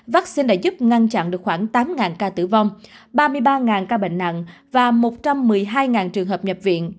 vaccine đã giúp ngăn chặn được khoảng tám ca tử vong ba mươi ba ca bệnh nặng và một trăm một mươi hai trường hợp nhập viện